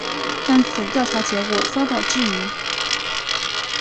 但此调查结果遭到质疑。